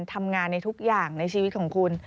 ทำงานในทุกอย่างในชีวิตของคุณ